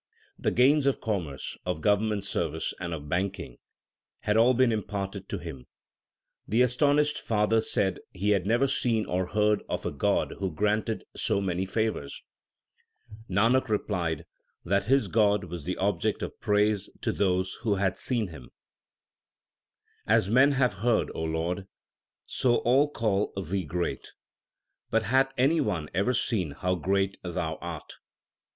The gains of commerce, of government service, and of banking, had all been imparted to him. The astonished father said he had never seen or heard of a God who granted so many favours. Nanak replied that his God was the object of praise to those who had seen Him : As men have heard, Lord, so all call Thee great ; But hath any one ever seen how great Thou art ?